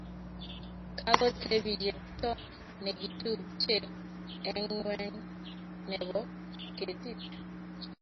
Kagotebi chepto negitupche ingweny nebo ketit